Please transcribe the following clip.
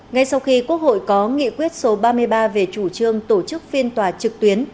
ngay sau khi quốc hội có nghị quyết số ba mươi ba về chủ trương tổ chức phiên tòa trực tuyến